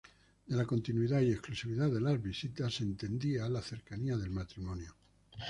De la continuidad y exclusividad de las visitas se entendía la cercanía del matrimonio.